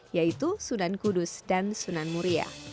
yaitu sunan kudus dan sunan muria